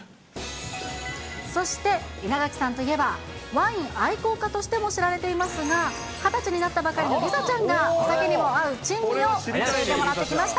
そして、稲垣さんといえば、ワイン愛好家としても知られていますが、２０歳になったばかりの梨紗ちゃんが、お酒にも合う珍味を教えてもらってきました。